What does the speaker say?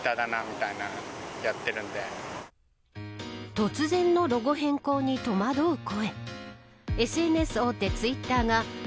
突然のロゴ変更に戸惑う声。